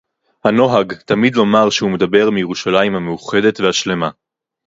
הנוהג תמיד לומר שהוא מדבר מירושלים המאוחדת והשלמה